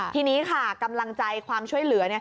ทีนี้ค่ะกำลังใจความช่วยเหลือ